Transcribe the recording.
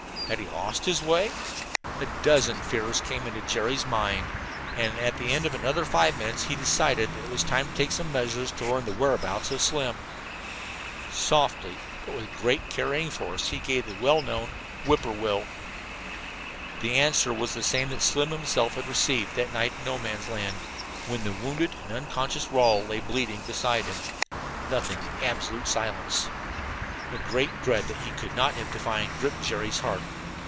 Had he lost his way? A dozen fears came into Jerry's mind, and at the end of another five minutes he decided that it was time to take some measure to learn the whereabouts of Slim. Softly, but with great carrying force, he gave the well known "Whip poor will." The answer was the same that Slim himself had received that night in No Man's Land when the wounded and unconscious Rawle lay bleeding beside him nothing but absolute silence. A great dread that he could not have defined gripped Jerry's heart.